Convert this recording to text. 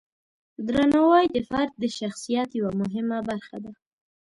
درناوی د فرد د شخصیت یوه مهمه برخه ده.